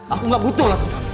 aku gak butuh